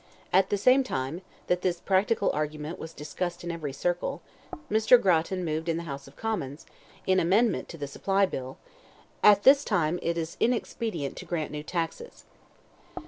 At the same time that this practical argument was discussed in every circle, Mr. Grattan moved in the House of Commons, in amendment to the supply bill, that, "At this time it is inexpedient to grant new taxes."